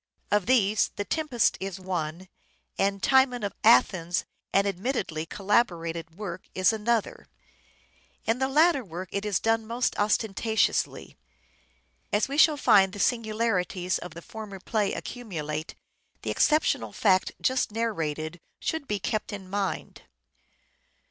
Of these " The Tempest " is one, and " Timon of Athens," an admittedly " collaborated " work, is another : in the latter work it is done most ostentatiously. As we shall find the singularities of the former play accumulate, the exceptional fact just narrated should be kept in mind.